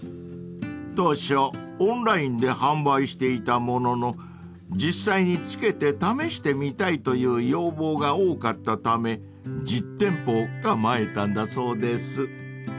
［当初オンラインで販売していたものの実際に着けて試してみたいという要望が多かったため実店舗を構えたんだそうです］